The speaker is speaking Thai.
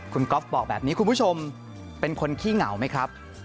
คุณก๊อฟบอกแบบนี้คุณผู้ชมเป็นคนขี้เหงาไหมครับ